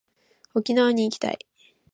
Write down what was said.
沖縄に行きたい